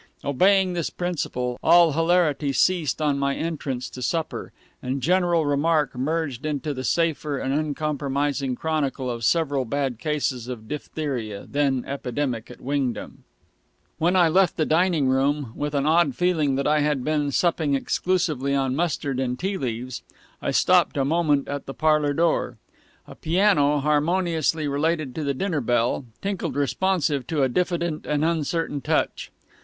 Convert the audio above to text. Obeying this principle, all hilarity ceased on my entrance to supper, and general remark merged into the safer and uncompromising chronicle of several bad cases of diphtheria, then epidemic at Wingdam. When I left the dining room, with an odd feeling that I had been supping exclusively on mustard and tea leaves, I stopped a moment at the parlor door. A piano, harmoniously related to the dinner bell, tinkled responsive to a diffident and uncertain touch.